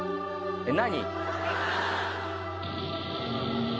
えっ何？